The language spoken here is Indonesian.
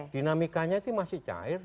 dinamikanya itu masih cair